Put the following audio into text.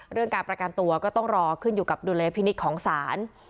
การประกันตัวก็ต้องรอขึ้นอยู่กับดุลยพินิษฐ์ของศาล